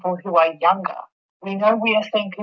kami tahu kita melihat orang orang yang berpengalaman